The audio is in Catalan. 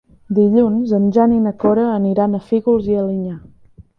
Dilluns en Jan i na Cora aniran a Fígols i Alinyà.